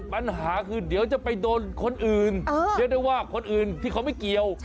ปัญหาคือเดี๋ยวจะไปโดนคนอื่นเรียกได้ว่าคนอื่นที่เขาไม่เกี่ยว